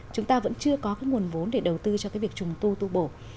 chúng ta vẫn chưa có cái nguồn vốn để đầu tư cho cái việc trùng tu tu bổ